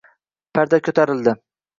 Parda ko‘tarildi.